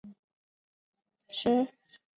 她还是第十二届上海市人大代表。